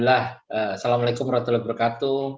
assalamu'alaikum warahmatullahi wabarakatuh